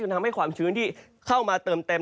ทำให้ความชื้นที่เข้ามาเติมเต็ม